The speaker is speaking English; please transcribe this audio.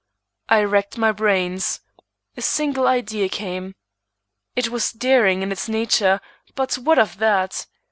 I racked my brains; a single idea came. It was daring in its nature, but what of that!